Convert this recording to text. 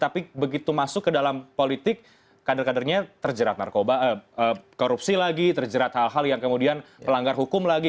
tapi begitu masuk ke dalam politik kader kadernya terjerat korupsi lagi terjerat hal hal yang kemudian melanggar hukum lagi